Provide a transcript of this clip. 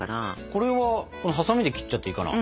これはハサミで切っちゃっていいかな？